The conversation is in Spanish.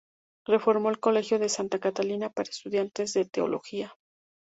Reformó el Colegio de Santa Catalina para estudiantes de Teología.